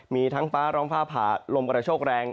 มีทั้งฟ้าร้องฟ้าผ่าลมกระโชคแรง